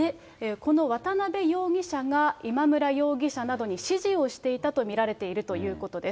この渡辺容疑者が、今村容疑者などに指示をしていたと見られているということです。